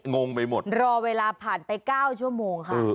งงไปหมดรอเวลาผ่านไป๙ชั่วโมงค่ะ